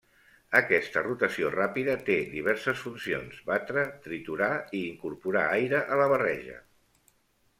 Aquesta rotació ràpida té diverses funcions: batre, triturar i incorporar aire a la barreja.